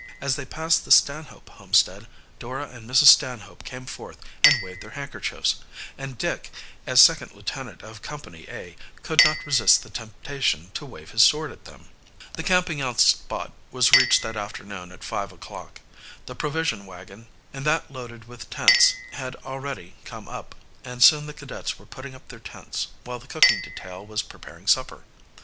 As they passed the Stanhope homestead, Dora and Mrs. Stanhope came forth and waved their handkerchiefs, and Dick, as second lieutenant of Company A, could not resist the temptation to wave his sword at them. The camping out spot was reached that afternoon at five o'clock. The provision wagon and that loaded with the tents had already come up, and soon the cadets were putting up their tents, while the cooking detail was preparing supper.